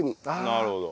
なるほど。